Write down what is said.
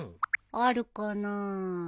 あるかなぁ。